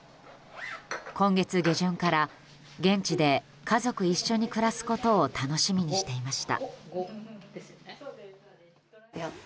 今月下旬から現地で家族一緒に暮らすことを楽しみにしていました。